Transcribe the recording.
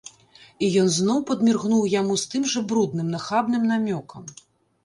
І ён зноў падміргнуў яму з тым жа брудным, нахабным намёкам.